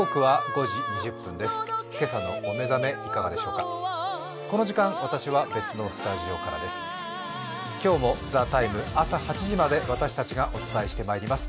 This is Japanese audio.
この時間、私は別のスタジオからです。